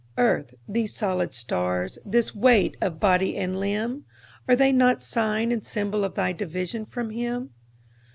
Earth, these solid stars, this weight of body and limb, Are they not sign and symbol of thy division from Him?